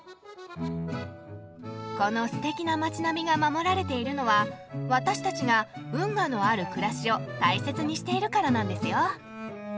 このすてきな街並みが守られているのは私たちが運河のある暮らしを大切にしているからなんですよ。